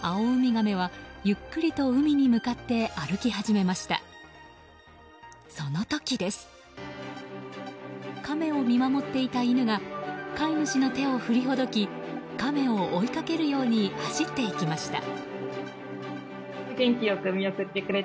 カメを見守っていた犬が飼い主の手を振りほどきカメを追いかけるように走っていきました。